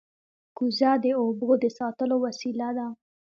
کوزه د اوبو د ساتلو وسیله ده